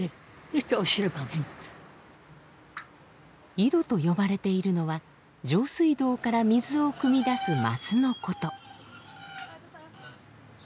井戸と呼ばれているのは上水道から水をくみ出す桝のこと。